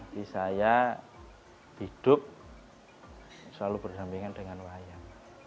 jadi saya hidup selalu bersambingan dengan wayang